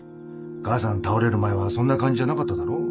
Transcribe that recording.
母さん倒れる前はそんな感じじゃなかっただろ？